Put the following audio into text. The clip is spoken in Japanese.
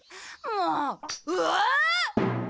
もううわー！